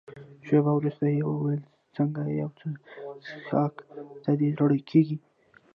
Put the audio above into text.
شېبه وروسته يې وویل: څنګه یو څه څیښاک ته دې زړه کېږي؟